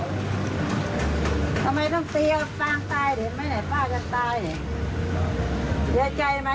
ทำไมต้องเสียวัสตาตายเห็นไหมมั้ยแป๊าจะตาย